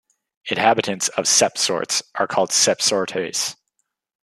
Inhabitants of Sept-Sorts are called "Septsortais".